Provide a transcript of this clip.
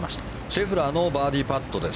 シェフラーのバーディーパット。